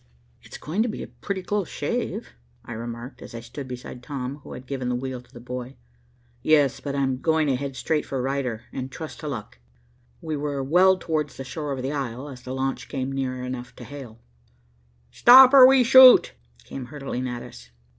"It's going to be a pretty close shave," I remarked, as I stood beside Tom, who had given the wheel to the boy. "Yes, but I'm going to head straight for Ryder, and trust to luck," he said. We were well towards the shores of the Isle as the launch came near enough to hail. "Stop or we shoot," came hurtling at us.